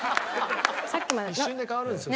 一瞬で代わるんですよ